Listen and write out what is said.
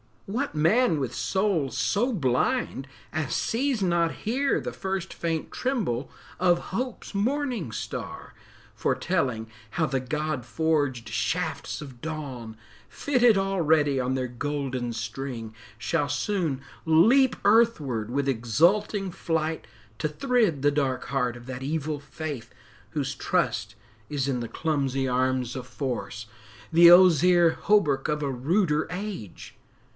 What man with soul so blind as sees not here The first faint tremble of Hope's morning star, Foretelling how the God forged shafts of dawn, Fitted already on their golden string, Shall soon leap earthward with exulting flight To thrid the dark heart of that evil faith Whose trust is in the clumsy arms of Force, The ozier hauberk of a ruder age?